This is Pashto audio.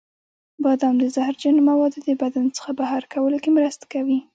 بادام د زهرجنو موادو د بدن څخه بهر کولو کې مرسته کوي.